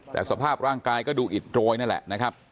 แต่สภาพร่างกายก็ดูอิดโรยนั่นแหละนะครับ